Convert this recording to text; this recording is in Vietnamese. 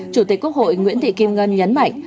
chủ tịch quốc hội nguyễn thị kim ngân nhấn mạnh